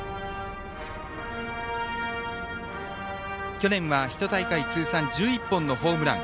去年は１大会通算１１本のホームラン。